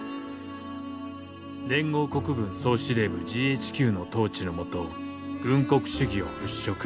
連合国軍総司令部ＧＨＱの統治の下軍国主義を払拭